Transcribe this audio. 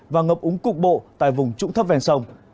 và ngập úng cục bộ tại vùng trũng thấp ven sông